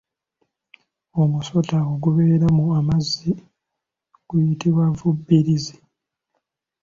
Omusota ogubeera mu amazzi guyitibwa Vvubirizi.